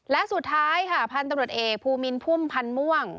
และสุดท้ายค่ะพันธุ์ตำรวจเอกภูมินพุ่มพันธ์ม่วง